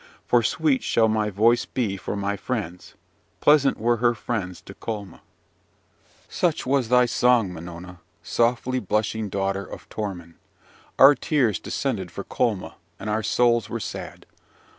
For sweet shall my voice be for my friends: pleasant were her friends to Colma. "Such was thy song, Minona, softly blushing daughter of Torman. Our tears descended for Colma, and our souls were sad!